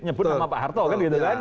nyebut nama pak harto kan gitu kan